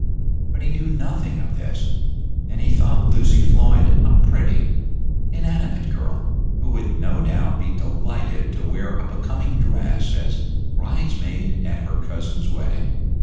But he knew nothing of this, and he thought Lucy Floyd a pretty, inanimate girl, who would no doubt be delighted to wear a becoming dress as bridesmaid at her cousin's wedding.